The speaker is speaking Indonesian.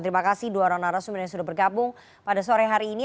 terima kasih dua orang narasum yang sudah bergabung pada sore hari ini